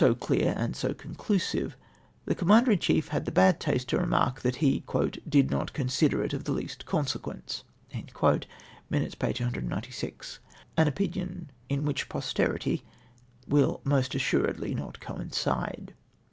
clear and so conclusive, the Comma nder in cliief had the bad taste to remark that he " did not consider it of the least consequence T (Minutes, p. 196.) An opinion in which posterity will assuredly not coincide.